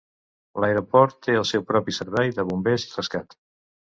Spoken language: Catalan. L'aeroport té el seu propi servei de bombers i rescat.